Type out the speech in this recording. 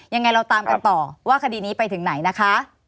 ยังไงเราตามกันต่อว่าคดีนี้ไปถึงไหนนะคะ